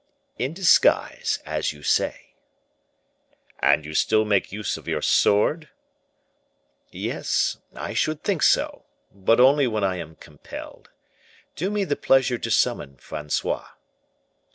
"In disguise, as you say." "And you still make use of your sword?" "Yes, I should think so; but only when I am compelled. Do me the pleasure to summon Francois."